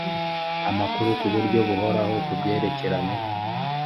amakuru ku buryo buhoraho ku byerekeranye